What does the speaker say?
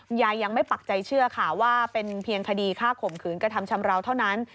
ยายยังไม่ปักใจเชื่อค่ะว่าเป็นเพียงคดีฆ่าข่มขืนกระทำชำราวเท่านั้น